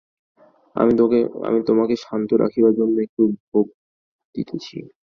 আমি তোমাকে শান্ত রাখিবার জন্য একটু ভোগ দিতেছি।